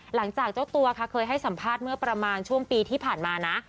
หลังจากเจ้าตัวค่ะเคยให้สัมภาษณ์เมื่อประมาณช่วงปีที่ผ่านมานะ